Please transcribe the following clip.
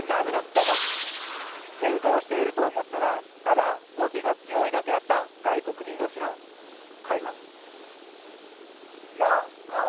どうぞケンカをしていると思ったらただ語気が強いだけだった外国人同士の会話ノーノー！